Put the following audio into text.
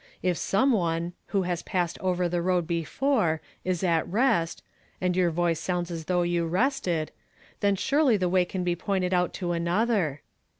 If some one, who has passed over the xoad before, is at rest, — and your voice sounds as thoug^h you rested, — then surely the way can be pointed out to another."